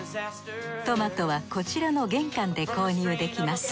トマトはこちらの玄関で購入できます。